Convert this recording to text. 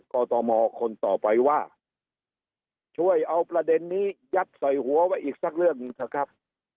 กรตมคนต่อไปว่าช่วยเอาประเด็นนี้ยัดใส่หัวไว้อีกสักเรื่องหนึ่งเถอะครับ